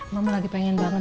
mama lagi pengen banget